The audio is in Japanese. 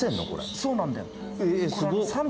そうなんだよ。